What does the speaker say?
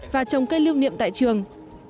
và trồng cây lưu niệm tại trường